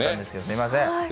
すみません。